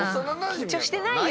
緊張してないよ